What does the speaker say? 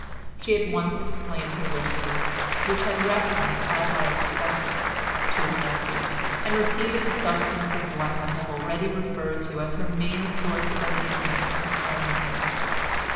She at once explained her wishes, which had reference, as I expected, to her nephew, and repeated the substance of what I have already referred to as her main source of uneasiness concerning him.